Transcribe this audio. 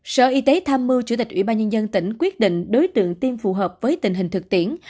sở y tế tham mưu chủ tịch ủy ban nhân dân tỉnh quyết định đối tượng tiêm phù hợp với tình hình thực tiễn